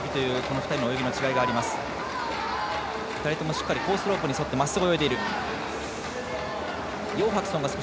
２人ともしっかりコースロープに沿ってまっすぐ泳いでいる。